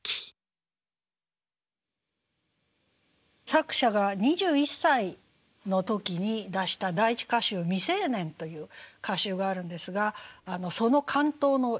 作者が２１歳の時に出した第一歌集「未青年」という歌集があるんですがその巻頭の一首ですね。